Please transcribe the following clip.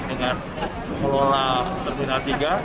dengan pengelola terminal tiga